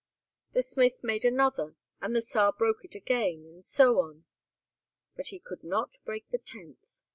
The smith made another, and the Czar broke it again, and so on. But he could not break the tenth.